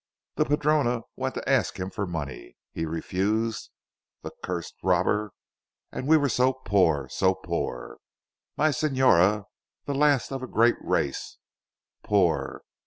The padrona went to ask him for money. He refused, the cursed robber, and we were so poor so poor. My signora the last of a great race, poor.